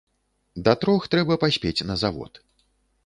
Да трох трэба паспець на завод.